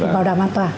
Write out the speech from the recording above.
bảo đảm an toàn